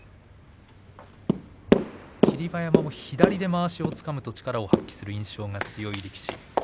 霧馬山も左でまわしをつかむと力を発揮する印象が強い力士です。